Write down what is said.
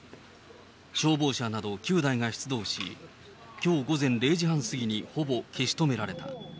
消防車など９台が出動し、きょう午前０時半過ぎにほぼ消し止められた。